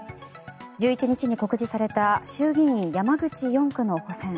１１日に告示された衆議院山口４区の補選。